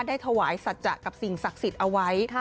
ถวายสัจจะกับสิ่งศักดิ์สิทธิ์เอาไว้